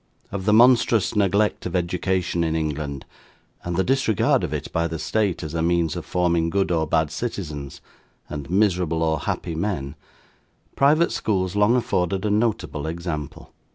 Of the monstrous neglect of education in England, and the disregard of it by the State as a means of forming good or bad citizens, and miserable or happy men, private schools long afforded a notable example.